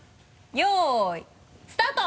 よいスタート！